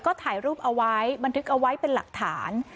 ก็ถ่ายรูปเอาไว้บันทึกเอาไว้เป็นหลักฐาน